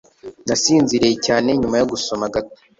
Nasinziriye cyane nyuma yo gusoma gato.